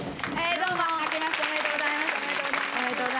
どうも明けましておめでとうございます。